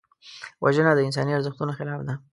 وژنه د انساني ارزښتونو خلاف ده